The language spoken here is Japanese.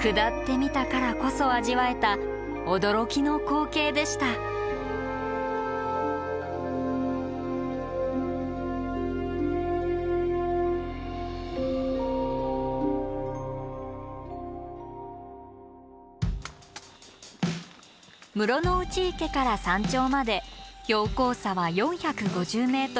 下ってみたからこそ味わえた驚きの光景でした室ノ内池から山頂まで標高差は４５０ｍ。